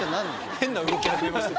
変な動き始めました。